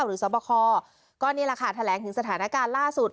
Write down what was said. สบคก็นี่แหละค่ะแถลงถึงสถานการณ์ล่าสุด